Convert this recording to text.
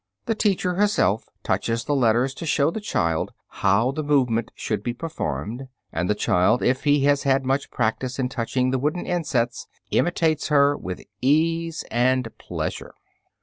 The teacher herself touches the letters to show the child how the movement should be performed, and the child, if he has had much practise in touching the wooden insets, imitates her with ease and pleasure.